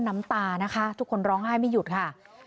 น้ำตานะคะทุกคนร้องไห้ไม่หยุดค่ะ